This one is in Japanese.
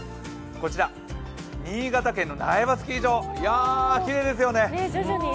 こちら、新潟県の苗場スキー場、いや、きれいですよね。